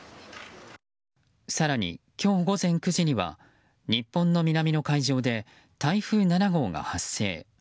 更に今日午前９時には日本の南の海上で台風７号が発生。